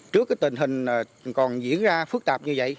trước tình hình còn diễn ra phức tạp như vậy